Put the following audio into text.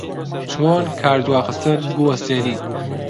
چۆن کاردواخستن بوەستێنین؟